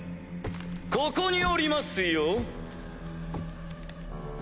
ここにおりますよ。